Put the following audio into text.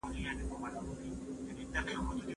چي به شپه ورباندي تېره ورځ به شپه سوه